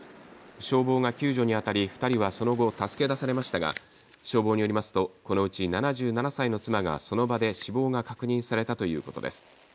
消防が救助にあたり２人はその後、助け出されましたが消防によりますとこのうち７７歳の妻がその場で死亡が確認されたということです。